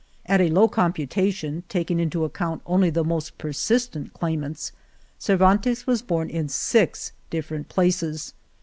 At a low computation, taking into account only the most persistent claimants, Cervantes was born in six. different places.